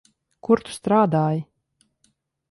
Kur tu strādāji?